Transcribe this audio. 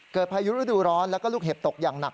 พายุฤดูร้อนแล้วก็ลูกเห็บตกอย่างหนัก